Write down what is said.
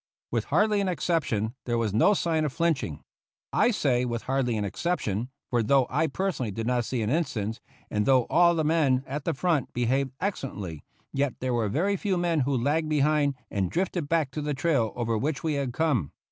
With hardly an exception, there was no sign of flinching. I say with hardly an exception, for though I personally did not see an instance, and though all the men at the front behaved excellently, yet there were a very few men who lagged behind and drifted back to the trail over which we had come.